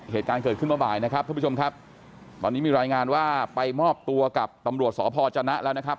เหตุการณ์เกิดขึ้นมาบ่ายนะครับท่านผู้ชมครับตอนนี้มีรายงานว่าไปมอบตัวกับตำรวจสพจนะแล้วนะครับ